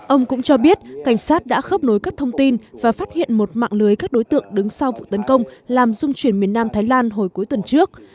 ông cũng cho biết cảnh sát đã khớp nối các thông tin và phát hiện một mạng lưới các đối tượng đứng sau vụ tấn công làm dung chuyển miền nam thái lan hồi cuối tuần trước